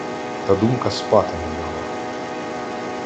Та думка спати не дала.